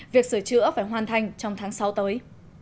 việc sửa chữa phải hoàn thành trong tháng sáu tới